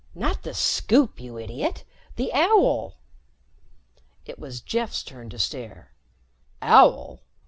"Not the Scoop, you idiot. The owl." It was Jeff's turn to stare. "Owl?